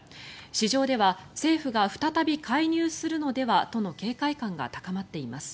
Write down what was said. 市場では政府が再び介入するのではとの警戒感が高まっています。